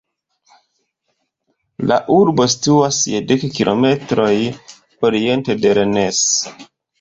La urbo situas je dek kilometroj oriente de Rennes.